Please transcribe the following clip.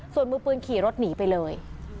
ส่วนมือปืนขี่รถหนีไปเลย